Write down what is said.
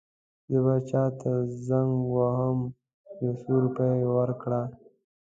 زه به چاته زنګ ووهم یو څو روپۍ ورکړه.